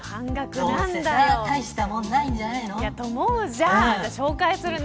どうせ、大したものないんじゃないの。と思うじゃん、紹介するね。